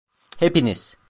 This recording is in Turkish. Hepiniz!